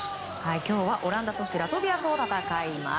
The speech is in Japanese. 今日はオランダ、ラトビアと戦います。